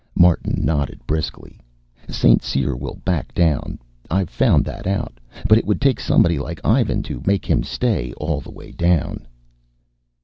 Martin nodded briskly. "St. Cyr will back down I've found that out. But it would take somebody like Ivan to make him stay all the way down."